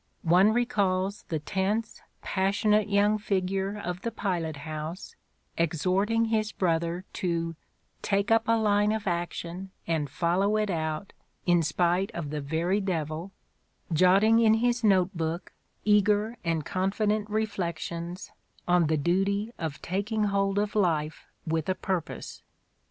One recalls the tense, passionate yoimg figure of the pilot house exhorting his brother to "take up a line of action, and foUow it out, in spite of the very devil," jotting in his note book eager and confident reflections on the duty of "taking hold of life with a purpose."